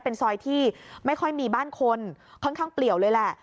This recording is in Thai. เป็นซอยที่ไม่ค่อยมีบ้านคนค่อนข้างเปลี่ยวเลยแหละ